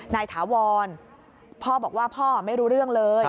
ถาวรพ่อบอกว่าพ่อไม่รู้เรื่องเลย